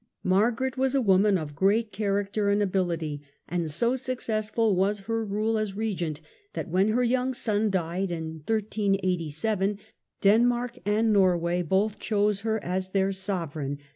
Margaret was a woman of great character and ability, and so successful was her rule as Eegent that when her young son died in 1387, Margaret, Denmark and Norway both chose her as their Sovereign.